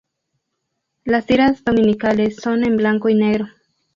Las tiras dominicales son en blanco y negro.